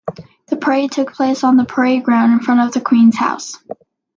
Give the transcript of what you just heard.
The parade took place on the parade ground in front of the Queen's House.